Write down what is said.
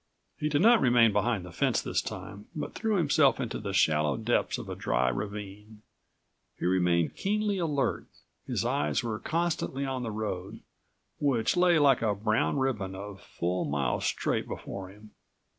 He did not remain behind the fence this time but threw himself into the shallow depths of a dry ravine. He remained keenly alert. His eyes were constantly on the road, which lay like a brown ribbon a full mile straight before him.